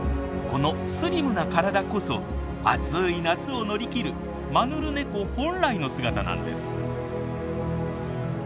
このスリムな体こそ暑い夏を乗り切るマヌルネコ本来の姿なんです。